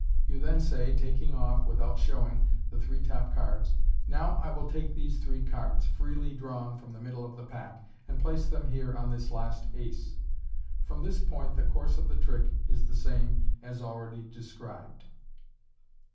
You then say, taking off (without showing) the three top cards, " Now I will take these three cards, freely drawn from the middle of the pack, and place them here on this last ace." From this point the course of the trick is the same as already described.